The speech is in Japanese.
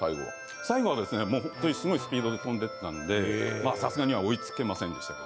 最後はすごいスピードで飛んでいったので追いつけませんでしたけど。